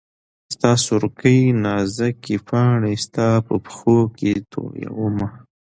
ستا سورکۍ نازکي پاڼي ستا په پښو کي تویومه